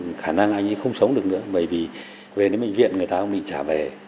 còn khả năng anh ấy không sống được nữa bởi vì về đến bệnh viện người ta không bị trả về